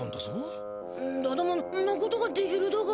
だどもそんなことができるだか？